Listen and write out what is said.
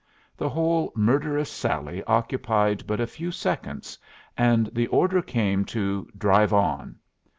The whole murderous sally occupied but a few seconds, and the order came to 'Drive on.'